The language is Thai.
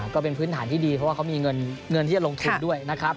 ก็เป็นพื้นฐานที่ดีเพราะว่าเขามีเงินที่จะลงทุนด้วยนะครับ